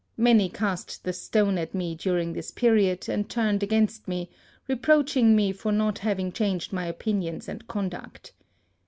Many cast the stone at me during this period, and turned against me, reproaching me for not having changed my opinions and conduct.